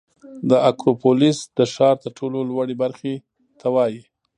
اکروپولیس د ښار تر ټولو لوړې برخې ته وایي.